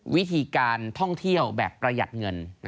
วิธีการท่องเที่ยวแบบประหยัดเงิน